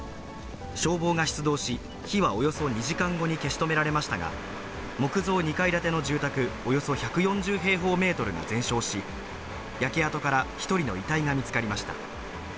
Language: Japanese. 消防が出動し、火はおよそ２時間後に消し止められましたが、木造２階建ての住宅およそ１４０平方メートルが全焼し、焼け跡から１人の遺体が見つかりました。